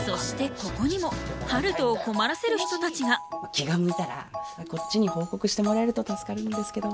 気が向いたらこっちに報告してもらえると助かるんですけど。